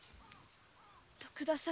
徳田様。